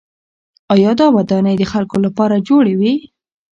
آیا دا ودانۍ د خلکو لپاره جوړې وې؟